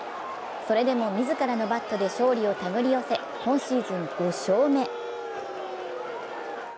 それでも自らのバットで勝利をたぐり寄せ今シーズン５勝目。